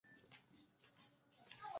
但也为明朝覆亡埋下了隐患。